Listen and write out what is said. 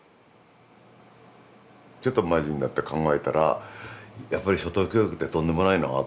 ちょっとマジになって考えたらやっぱり初等教育ってとんでもないなって。